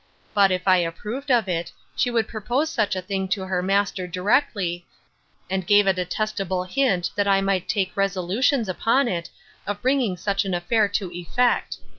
But, if I approved of it, she would propose such a thing to her master directly; and gave a detestable hint, that I might take resolutions upon it, of bringing such an affair to effect.